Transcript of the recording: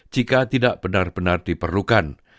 jika tidak benar benar diperlukan